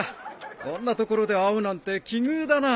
こんな所で会うなんて奇遇だな。